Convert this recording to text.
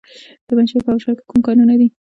د پنجشیر په ابشار کې کوم کانونه دي؟